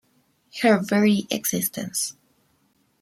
Her very existence.